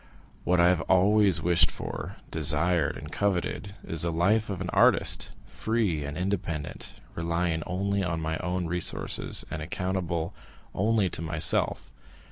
What I have always wished for, desired, and coveted, is the life of an artist, free and independent, relying only on my own resources, and accountable only to myself.